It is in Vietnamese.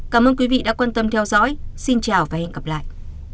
cảm ơn quý vị đã quan tâm theo dõi xin chào và hẹn gặp lại